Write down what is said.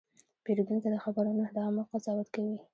پیرودونکی د خبرو نه، د عمل قضاوت کوي.